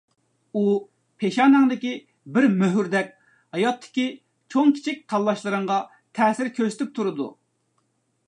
ئۇ پېشانەڭدىكى بىر مۆھۈردەك ھاياتتىكى چوڭ كىچىك تاللاشلىرىڭغا تەسىر كۆرسىتىپ تۇرىدۇ.